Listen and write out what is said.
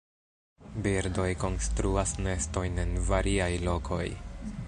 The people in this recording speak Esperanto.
Birdoj konstruas nestojn en variaj lokoj.